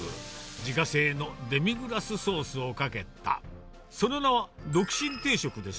自家製のデミグラスソースをかけた、その名も独身定食です。